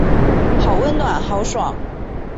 好温暖好爽